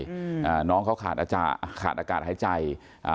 อืมอ่าน้องเขาขาดอาจารย์ขาดอากาศหายใจอ่า